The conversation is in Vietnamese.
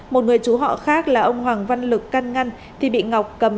một người chú họ khác là ông hoàng văn lực căn ngăn thì bị ngọc cầm